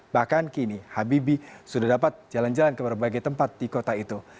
bahkan kini habibie sudah dapat jalan jalan ke berbagai tempat di kota itu